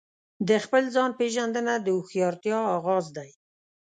د خپل ځان پیژندنه د هوښیارتیا آغاز دی.